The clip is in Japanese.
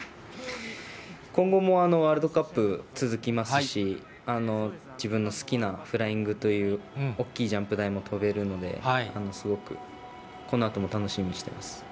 今後もワールドカップ続きますし、自分の好きなフライングという大きいジャンプ台も飛べるので、すごく、このあとも楽しみにしてます。